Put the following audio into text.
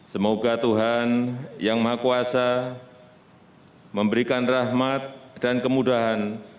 semoga tuhan yang maha kuasa memberikan rahmat dan kemudahan